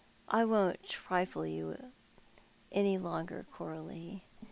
" I won't trifle with you any longer, Coralie.